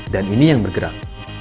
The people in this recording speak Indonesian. dan ini yang bergerak